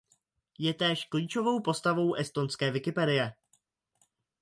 Je též klíčovou postavou estonské Wikipedie.